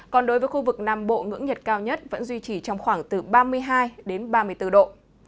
còn đối với khu vực nam bộ ngưỡng nhiệt cao nhất vẫn duy trì trong khoảng từ ba mươi hai ba mươi bốn độ